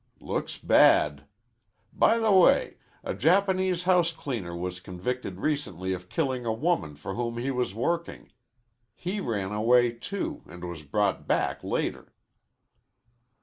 "Looks bad. By the way, a Japanese house cleaner was convicted recently of killing a woman for whom he was working. He ran away, too, and was brought back later."